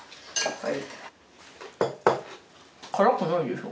はい。